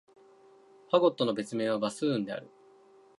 ファゴットの別名は、バスーンである。